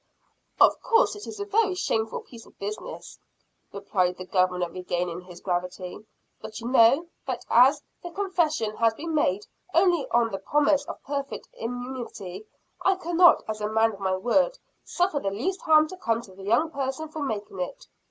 "Of course it is a very shameful piece of business," replied the Governor, regaining his gravity. "But you know that as the confession has been made only on the promise of perfect immunity, I cannot, as a man of my word, suffer the least harm to come to the young person for making it."